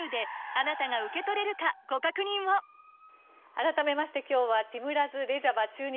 改めまして今日はティムラズ・レジャバ駐日